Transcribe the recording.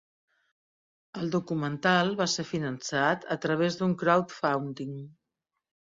El documental va ser finançat a través de crowdfunding.